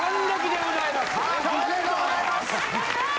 浜田さんおめでとうございます。